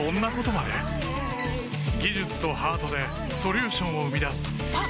技術とハートでソリューションを生み出すあっ！